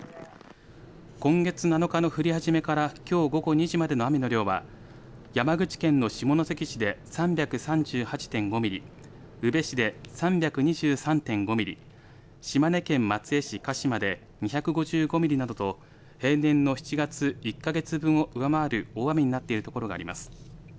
今月７日の降り始めからきょう午後２時までの雨の量は山口県の下関市で３３８．５ミリ、宇部市で３２３．５ミリ、島根県松江市鹿島で２５５ミリなどと平年の７月１か月分を上回る大雨になっているところがあります。